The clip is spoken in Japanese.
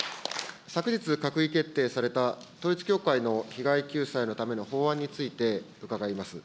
昨日、閣議決定された、統一教会の被害救済のための法案について伺います。